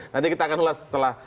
nanti kita akan ulas setelah